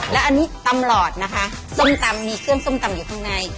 แล้วอันนี้ตำหลอดนะคะส้มตำมีเครื่องส้มตำอยู่ข้างใน